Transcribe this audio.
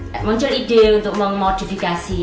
nah dari situ muncul ide untuk memodifikasi